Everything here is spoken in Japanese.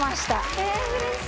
えうれしい。